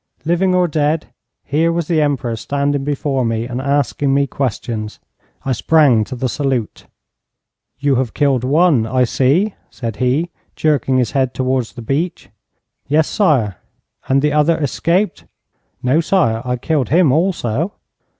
Living or dead, here was the Emperor standing before me and asking me questions. I sprang to the salute. 'You have killed one, I see,' said he, jerking his head towards the beech. 'Yes, sire.' 'And the other escaped?' 'No, sire, I killed him also.'